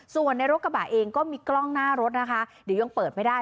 ส่วนในรถกระบะเองก็มีกล้องหน้ารถนะคะเดี๋ยวยังเปิดไม่ได้